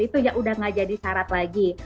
itu ya udah gak jadi syarat lagi